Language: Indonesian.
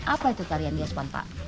apa itu tarian biospan pak